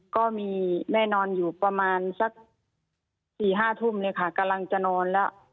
ก็มีแม่นอนอยู่ประมาณสัก๔๕ทุ่มเลยค่ะกำลังจะนอนแล้ว